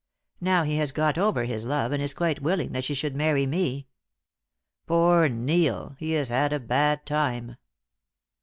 Now he has got over his love, and is quite willing that she should marry me. Poor Neil! He has had a bad time."